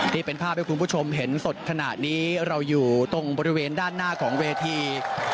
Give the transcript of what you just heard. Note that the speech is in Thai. นี่เป็นภาพให้คุณผู้ชมเห็นสดขณะนี้เราอยู่ตรงบริเวณด้านหน้าของเวที